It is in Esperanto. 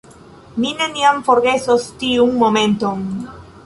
Mi neniam forgesos tiun momenton.